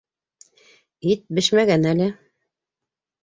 Ит бешмәгән әле.